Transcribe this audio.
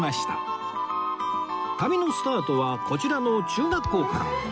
旅のスタートはこちらの中学校から